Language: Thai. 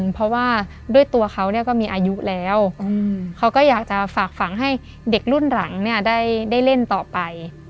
เพราะว่าด้วยตัวเขาก็มีอายุแล้วเขาก็อยากจะฝากฝังให้เด็กรุ่นหลังเนี่ยได้เล่นต่อไป